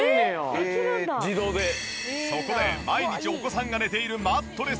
そこで毎日お子さんが寝ているマットレスを掃除。